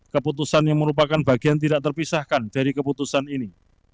keputusan yang merupakan bagian tidak terpisahkan dari keputusan ini